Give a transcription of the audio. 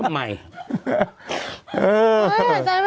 เออหายใจไม่ทันนะ